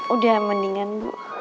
udah mendingan bu